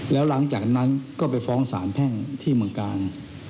แล้วหลังจากนั้นก็ไปฟ้องสารแพ่งที่เมืองกาล